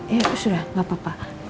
ya itu sudah tidak apa apa